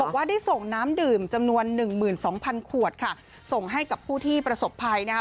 ว่าได้ส่งน้ำดื่มจำนวนหนึ่งหมื่นสองพันขวดค่ะส่งให้กับผู้ที่ประสบภัยนะคะ